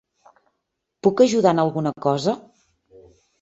Puc ajudar en alguna cosa?